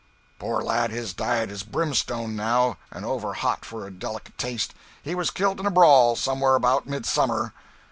"Poor lad, his diet is brimstone, now, and over hot for a delicate taste. He was killed in a brawl, somewhere about midsummer."